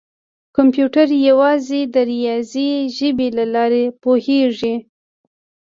کمپیوټر یوازې د ریاضي ژبې له لارې پوهېږي.